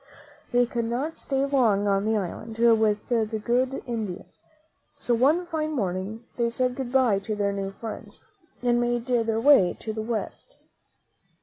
They could not stay long on the island with the good Indians, so one fine morning they said good by to their new friends, and made their way to the West.